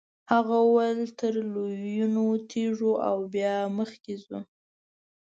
هغه وویل تر لویینو تیریږو او بیا مخکې ځو.